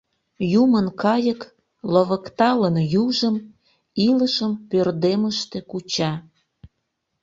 Юмын кайык, ловыкталын южым, Илышым пӧрдемыште куча.